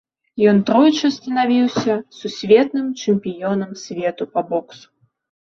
Ён тройчы станавіўся сусветным чэмпіёнам свету па боксу.